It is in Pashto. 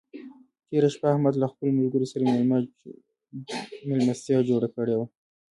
تېره شپه احمد له خپلو ملګرو سره مېله جوړه کړې وه.